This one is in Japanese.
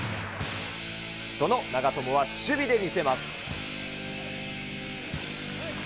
その長友は守備で見せます。